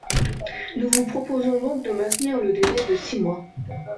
Nous vous proposons donc de maintenir le délai de six mois.